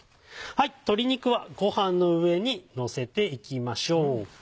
鶏肉はごはんの上にのせていきましょう。